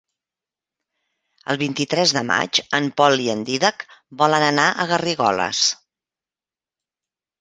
El vint-i-tres de maig en Pol i en Dídac volen anar a Garrigoles.